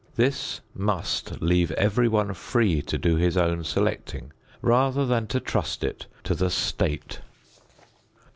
This must leave everyone free to do his own selecting, rather than to trust it to the state.